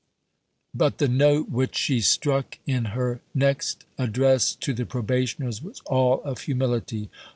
But the note which she struck in her next Address to the Probationers was all of humility.